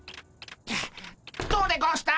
どうでゴンした？